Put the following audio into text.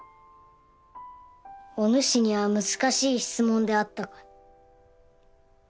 おぬしには難しい質問であったか。